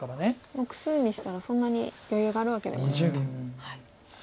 目数にしたらそんなに余裕があるわけでもないと。